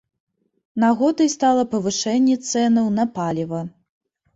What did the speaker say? Нагодай стала павышэнне цэнаў на паліва.